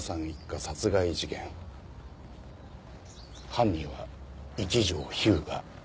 犯人は一条彪牙。